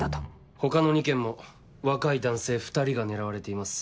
他の２件も若い男性２人が狙われています。